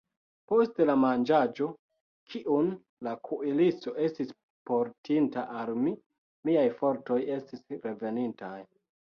Post la manĝaĵo, kiun la kuiristo estis portinta al mi, miaj fortoj estis revenintaj.